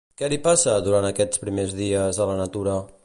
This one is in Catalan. Què li passa, durant aquests primers dies, a la natura?